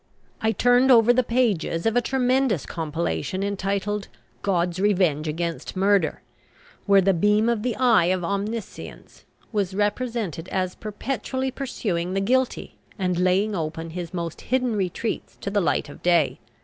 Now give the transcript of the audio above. I turned over the pages of a tremendous compilation, entitled "God's Revenge against Murder," where the beam of the eye of Omniscience was represented as perpetually pursuing the guilty, and laying open his most hidden retreats to the light of day.